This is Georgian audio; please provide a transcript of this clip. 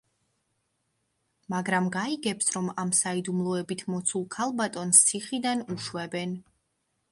მაგრამ გაიგებს, რომ ამ საიდუმლოებით მოცულ ქალბატონს ციხიდან უშვებენ.